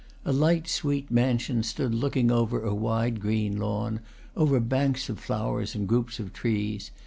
A light, sweet mansion stood looking over a wide green lawn, over banks of flowers and groups of trees.